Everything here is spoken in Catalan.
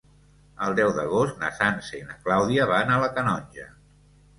El deu d'agost na Sança i na Clàudia van a la Canonja.